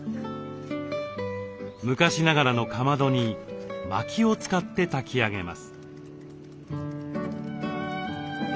昔ながらのかまどにまきを使って炊き上げます。